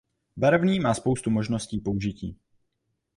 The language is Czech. Barevný má spoustu možností použití.